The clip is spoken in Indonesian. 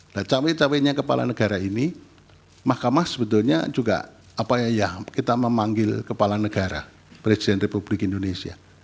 nah cawe cawenya kepala negara ini mahkamah sebetulnya juga apa ya kita memanggil kepala negara presiden republik indonesia